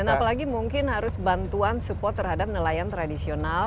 dan apalagi mungkin harus bantuan support terhadap nelayan tradisional